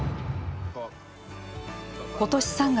ことし３月。